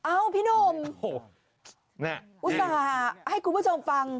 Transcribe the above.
พี่หนุ่มอุตส่าห์ให้คุณผู้ชมฟัง